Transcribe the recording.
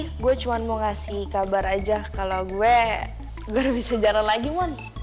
tadi gue cuma mau kasih kabar aja kalau gue udah bisa jalan lagi mon